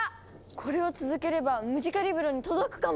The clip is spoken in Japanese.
これを続ければムジカリブロに届くかも！